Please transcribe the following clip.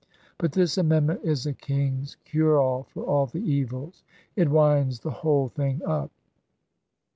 But this amendment is a king's cure all for all the evils. It winds the whole thing up.